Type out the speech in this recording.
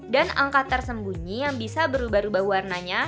dan angka tersembunyi yang bisa berubah ubah warnanya